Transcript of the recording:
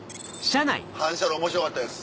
反射炉面白かったです。